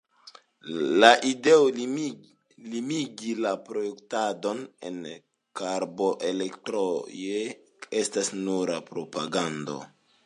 La ideo limigi la produktadon en karboelektrejoj estas nura propagando.